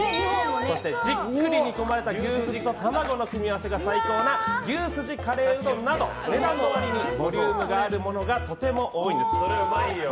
そして、じっくり煮込まれた牛すじと卵の組み合わせが最高な牛すじカレーうどんなど値段の割にボリュームが多いものがとても多いんです。